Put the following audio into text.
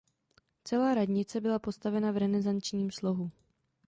Celá radnice byla postavena v renesančním slohu.